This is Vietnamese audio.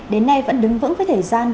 đến nay vẫn đứng vững với thời gian